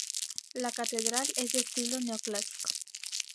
La catedral es de estilo neo-clásico.